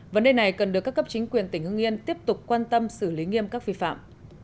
vấn đề này cần được các cấp chính quyền tỉnh hương yên tiếp tục quan tâm xử lý nghiêm các vi phạm